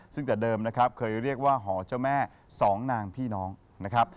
ซึ่งแต่เดิมนะครับเคยเรียกว่าหอเจ้าแม่สองนางพี่น้องนะครับ